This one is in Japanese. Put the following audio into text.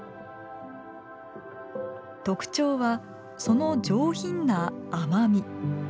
特徴は、その上品な甘み。